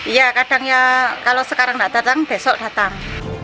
iya kadang ya kalau sekarang tidak datang besok datang